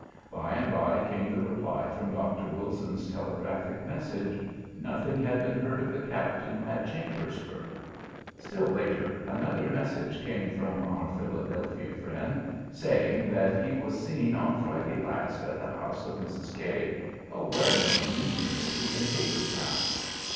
By and by came the reply from Dr. Wilson's telegraphic message: nothing had been heard of the Captain at Chambersburg. Still later, another message came from our Philadelphia friend, saying that he was seen on Friday last at the house of Mrs. K_______, a well known Union lady in Hagerstown.